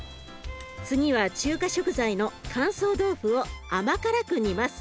次は中華食材の乾燥豆腐を甘辛く煮ます。